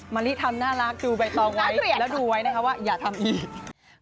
มันนี่ทำน่ารักดูใบตองไว้แล้วดูไว้นะครับว่าอย่าทำอีกน่าเกลียด